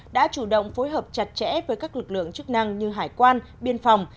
đã chủ động phối hợp chặt chẽ với các lực lượng chức năng như hải quan biên phòng